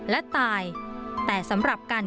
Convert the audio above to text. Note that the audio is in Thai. และตายแต่สำหรับการ